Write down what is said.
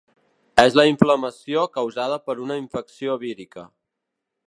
És la inflamació causada per una infecció vírica.